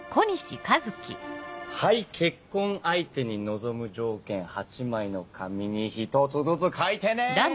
はい結婚相手に望む条件８枚の紙に１つずつ書いてね！